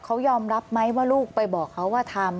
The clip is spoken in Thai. เขายอมรับไหมว่าลูกไปบอกเขาว่าทำ